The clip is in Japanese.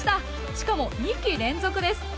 しかも２機連続です。